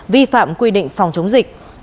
vi phạm quy định phòng chống dịch